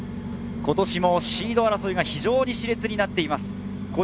今年もシード争いが非常に熾烈になっています。